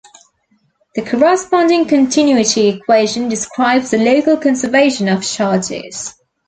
The corresponding continuity equation describes the local conservation of charges.